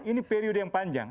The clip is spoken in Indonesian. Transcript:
ini periode yang panjang